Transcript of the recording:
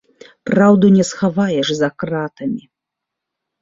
Праўду не схаваеш за кратамі!